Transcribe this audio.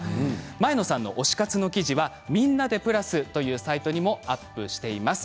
前野さんの推し活の記事はみんなでプラスというサイトにもアップしています。